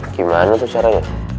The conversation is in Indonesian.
gimana tuh caranya